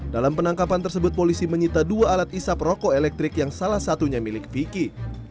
dalam penangkapan tersebut polisi menyita dua alat isap rokok elektrik yang salah satunya milik vicky